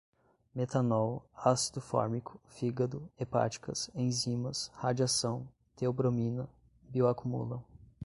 metanol, ácido fórmico, fígado, hepáticas, enzimas, radiação, teobromina, bioacumulam